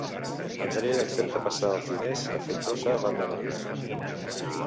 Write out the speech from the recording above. André accepta passar els diners a Feitosa l'endemà.